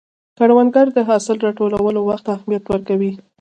کروندګر د حاصل راټولولو وخت ته اهمیت ورکوي